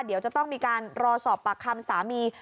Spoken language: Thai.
เดี๋ยวจะต้องมีการรอสอบปากคำสามี